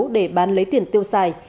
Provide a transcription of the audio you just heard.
để bán lấy tiền tiêu xài